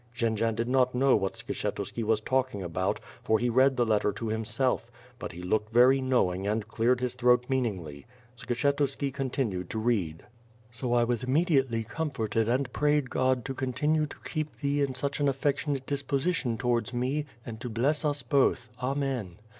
Jendzian did not know what Skshetuski was talking about, for he read the letter to himself; but he looked very knowing and cleared his throat meaningly. Skshetuski continued to read: " So I was immediately comforted and prayed God to continue to keep thee in such an affectionate dis position towards me and to bless us both, Amen.